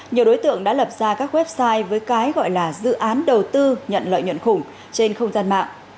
nhiều đối tượng đã lập ra các website với cái gọi là dự án đầu tư nhận lợi nhuận khủng trên không gian mạng